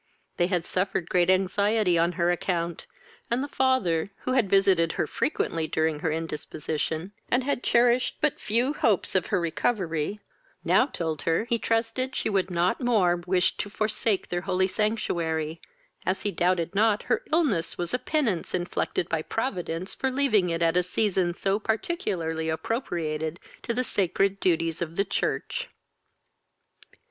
They had suffered great anxiety on her account, and the father, who had visited her frequently during her indisposition, and had cherished bu few hopes of her recovery, now told her he trusted she would not more wish to forsake their holy sanctuary, as he doubted not her illness was a penance inflicted by Providence for leaving it at a season so particularly appropriated to the sacred duties of the church.